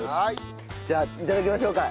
じゃあいただきましょうか。